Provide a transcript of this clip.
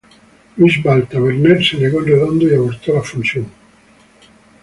Luis Valls-Taberner se negó en redondo y abortó la fusión.